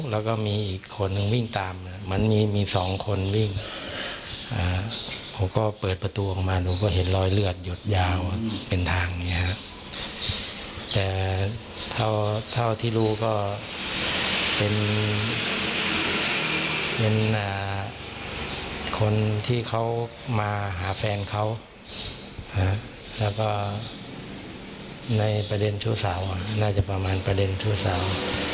แล้วก็ในประเด็นทุกศาลน่าจะประมาณประเด็นทุกศาล